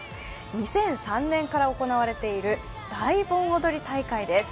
２００３年から行われている大盆踊り大会です。